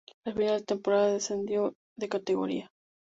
A final de temporada descendió de categoría.